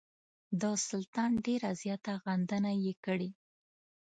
د سلطان ډېره زیاته غندنه یې کړې.